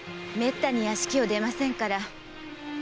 めったに屋敷を出ませんから。